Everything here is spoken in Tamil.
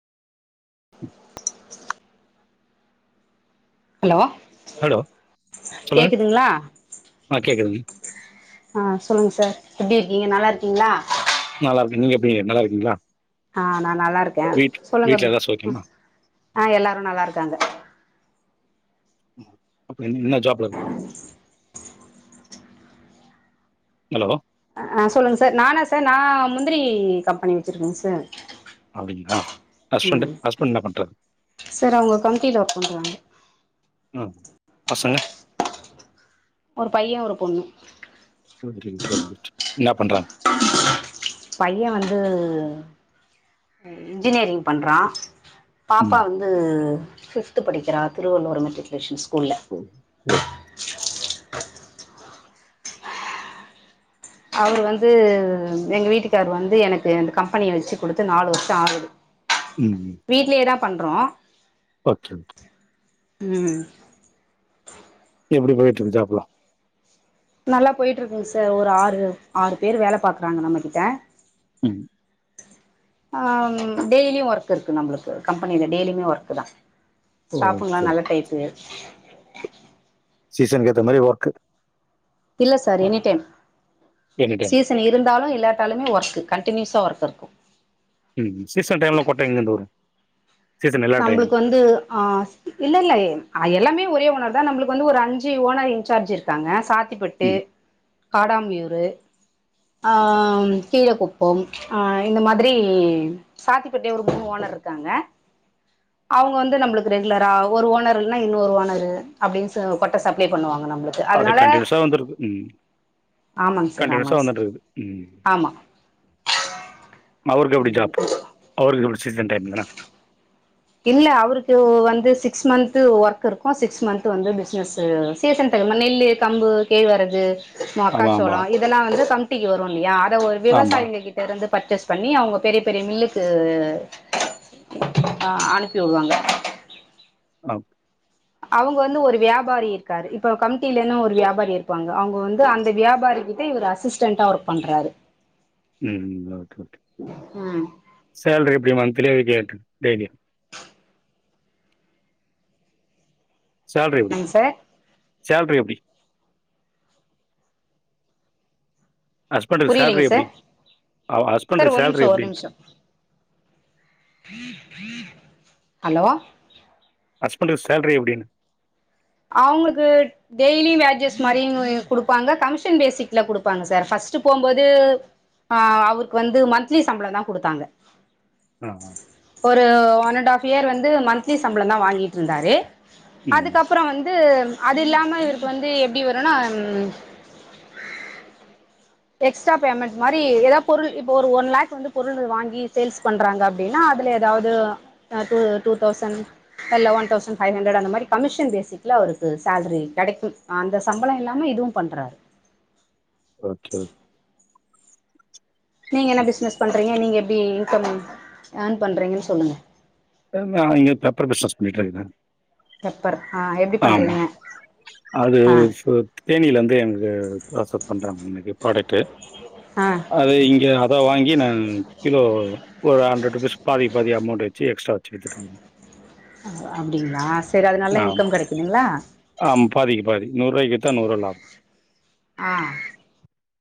ஹலோ ஹலோ சொல்லுங்க. கேக்குதுங்களா ஆ கேட்குதுங்க. ஆ சொல்லுங்க சார் எப்டி இருக்கீங்க நல்லா இருக்கீங்களா நல்லா இருக்கே நீங்க எப்படிங்க நல்லா இருக்கீங்களா ஆஹ் நா நல்லா இருக்கே வீட் வீட்ல எல்லாரும் சொல்லுங்கப்ப சௌக்கியமா? ஆ எல்லாரு நல்லா இருக்காங்க அப்ப என்ன ஜாப்ல இருக்க [inaudible] ஹலோ அ சொல்லுங்க சார் நானா சார் நான் முந்திரி கம்பெனி வச்சிருக்கேங்க சார் அப்படிங்களா ஹஸ்பண்ட் ம் ஹஸ்பண்ட் என்ன பண்றாரு சார் அவங்க கமிட்டில ஒர்க் பண்றாங்க ம் பசங்க ஒரு பைய ஒரு பொண்ணு [unintelligible] என்ன பண்றாங் பைய வந்து இன்ஜினியரிங் பண்றா பாப்பா ம். வந்து ஃபிஃப்த் படிகிறா திருவள்ளுவர் மெட்ரிகுலேஷன் ஸ் [inaudible] அவர் வந்து எங்க வீட்டுக் கார் வந்து எனக்கு அந்த கம்பெனிய வச்சு குடுத்து நாலு வருஷோ ஆகுது ம் ம். வீட்டு்லேதா பண்றோ [unintelligible] உம் எப்படி போயிட்ருக்கு ஜாப்பல்லா நல்லா போயிட்டு இருக்குங்க சார் ஒரு ஆறு ஆறு பேர் வேல பாக்குறாங்க நம்ம கிட்ட ம் ஆஹ டெய்லியு ஒர்க் இருக்கு நம்மளுக்கு கம்பெனியில டெய்லியுமே ஒர்க்கு தா ஓகே ஸ்டாப்புங்கள்ல்லா நல்ல ஓகே. டைப்பு சீசன் கேத்த மாரி ஒர்க்கு இல்லா sir any time any time. Season இருந்தாலு இல்லாட்டாலுமே ஒர்க் கண்டனியூஸா ஒர்க் இருக்கு ம் சீசன் டைம்ல கொட்ட எங்கிருந்து வரு நம்மளுக்கு வந்து ஆஹ் இல்லல்ல அ எல்லாமே ஒரே ஓனர் தா நம்மளுக்கு வந்து ஒரு அஞ்சு ஓனர் இன்சார்ஜ் இருக்காங்க சாத் திப்பட்டு ம். காடமியூரு ஆ கீழக்குப்பம் ஆ இந்த மாத்ரி சாத்திப்பட்டி ஒரு மூணு ஓனர் இருக்காங்க அவுங்க வந்து நம்ளுக்கு ரெகுலரா ஒரு ஓனரில்ன்னா இன்னொரு ஓனரு அப்டின்னு கொட்ட சப்ளை பண்ணுவாங்க நம்மளுக்கு அப்டி அதனால கன்டினியூசா வந்திருக்கு ம் ஆமாங்க சார் கன்டினியூசா ஆமாங்க சார் வந்துட்ருக்கு ம் ஆமா வந்து அவருக்கெப்டி ஜாப் அவருக்கெப்டி சீசன் டைம்லயா இல்ல அவர்க்கு வந்து சிக்ஸ் மந்த் ஒர்க் இருக்கூ சிக்ஸ் மந்த் வந்து பிசினஸு சீசன் டைம் நெல்லு கம்பு கேழ்வரகு ஆமா ஆமா. மக்காச்சோளோ இதல்லா வந்து சம்த் ட்டிகு வரூ இல்லியா ஆ அ ஒரு ஆமா. விவசாயிங்க கிட்டருந்துப் பர்சேஸ் பண்ணி அவுங்க பெரிய பெரிய மில்லுக்கு ஆ அனுப்பி உடுவாங்க அப் அவுங்க வந்து ஒரு வியாபாரி இருக்காரு இப்ப கமிட்டிலனு ஒரு வியாபாரி இருப்பாங்க அவுங்க வந்து அந்த வியாபாரி கிட்ட இவரு அசிஸ்டன்டா ஒர்க் பண்றாரு ம் ஓகே ஓகே ம் சேல்ரி எப்டி வாங்க் திலே கேட் டெய்லியா சால்ரி எப்டி என்னங்க சார் சேல்ரி எப்டி ஹஸ்பண்டுக்கு சேலரி புரியலங் எப்படி? சார் அவ சார் ஹஸ்பண்டுக்கு ஒர் சேலரி நிமிஷோ ஒர் எப்படி? நிமிஷோ அலோ ஹஸ்பண்டுக்கு சேல்ரி எப்டின்னு அவுங்ளுக்கு டெய்லி வேஜஸ் மாரிங் குடுப்பாங்க கமிஷன் பேசிக்ல குடுப்பாங்க சார் ஃபஸ்ட்டு போம்போது ஆ அவ்ருக்கு வந்து மந்த்லி சம்ப்ளோ தா குடுத்தாங்க அ அ ஒரு ஒன் அண்ட் ஹாஃப் இயர் வந்து மந்த்லி சம்ப்ளோ தா வாங்கிட்ருந்தாரு ம் உ அது இல்லாம இவ்ருக்கு வந்து எப்டி வரூனா ம் எக்ஸ்டா பேமன்ட் மாரி ஏதா பொருள் இப்ப ஒரு ஒன் லாக் வந்து பொருள் வாங்கி சேல்ஸ் பண்றாங்க அப்டின்னா அதுல ஏதாவ்து டூ டூ தௌசண்ட் இல்ல ஒன் தவுசண்ட் ஃபைவ் ஹன்ட்ரட் அந்த மாரி கமிஷன் பேசிக்ல அவருக்கு சேல்ரி கெடக்கும் அந்த சம்ப்ளோ இல்லாம இதுவூ பண்றாரு ஓகே ஒ நீங்க என்ன பிஸ்னஸ் பண்றீங்க நீங்க ப்டி இன்கம் ஏன் பண்றீங்கனு சொல்லுங்க அ நா இங்க பேப்பர் பிஸ்னஸ் பண்ணீட்ருக்கே பெப்பர் ஆ எப்டி ஆமா பண்றீங்க அது ஆ ஃபு தேனிலேந்து எனக்கு ரெஃபர் பண்றாங்க எனக்கு ப்ராடக்ட் டு ஆ அது இங்க அத வாங்கி நான் கிலோ ஒரு ஹண்ரட் ருபீஸ் பாதி பாதி அமௌன்ட் வச்சு எக்ஸ்ட்ரா செதுக்குங் ஓ அப்டிங்களா செரி அது நல்லா ஆமா. இன்கம் கெடக்குதுங்களா நூற்ருவாய்க்கு வித்தா நூற்ருவா லாபோ ஆ